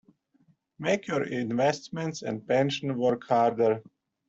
Make your investments and pension work harder.